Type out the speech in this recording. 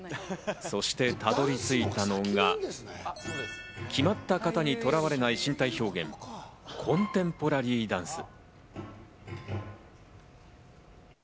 そしてたどり着いたのが、決まった形にとらわれない身体表現・コンテンポラリーダンス。